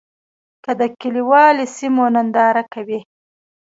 که د کلیوالي سیمو ننداره کوې.